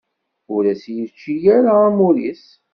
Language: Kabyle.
Ur as-yečči ara amur-is.